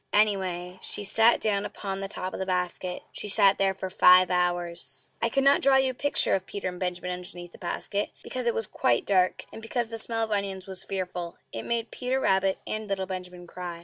Anyway, she sat down upon the top of the basket. She sat there for FIVE HOURS. I cannot draw you a picture of Peter and Benjamin underneath the basket, because it was quite dark, and because the smell of onions was fearful; it made Peter Rabbit and little Benjamin cry.